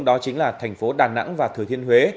đó chính là thành phố đà nẵng và thừa thiên huế